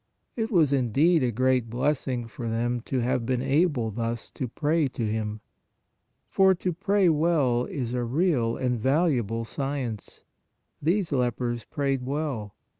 It was in deed a great blessing for them to have been able thus to pray to Him, for to pray well is a real and valuable science. These lepers prayed well.